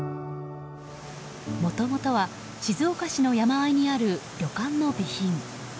もともとは静岡市の山あいにある旅館の備品。